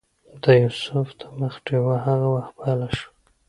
د یوسف د مخ ډیوه هغه وخت بله شوه.